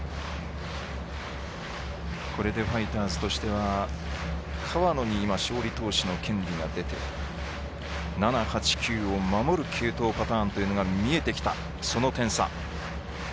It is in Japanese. これでファイターズとしては河野に勝利投手の権利が出て７、８、９を守る継投パターンが見えてきた点差。